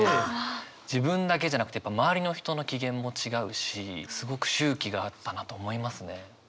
自分だけじゃなくてやっぱ周りの人の機嫌も違うしすごく周期があったなと思いますね。